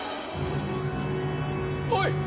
おい！